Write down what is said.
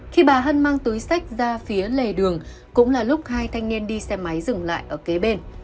khi bà hân mang túi sách ra phía lề đường cũng là lúc hai thanh niên đi xe máy dừng lại ở kế bên